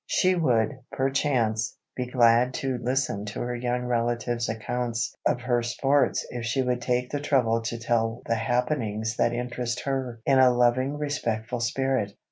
She would, perchance, be glad to listen to her young relative's accounts of her sports if she would take the trouble to tell the happenings that interest her in a loving respectful spirit.